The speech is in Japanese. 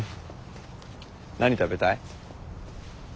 何食べたい？